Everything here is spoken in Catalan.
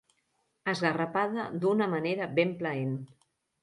Esgarrapada d'una manera ben plaent.